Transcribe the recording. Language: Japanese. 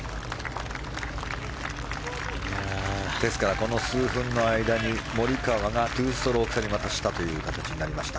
ですからこの数分の間にモリカワが２ストローク差にまた、したという形になりました。